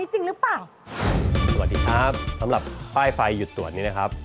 สวัสดีครับสำหรับป้ายไฟหยุดตรวจนี้นะครับ